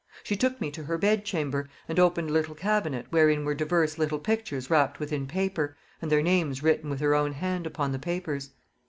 She took me to her bed chamber, and opened a little cabinet, wherein were divers little pictures wrapped within paper, and their names written with her own hand upon the papers.